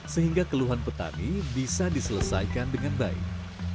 sehingga keluhan petani bisa diselesaikan dengan baik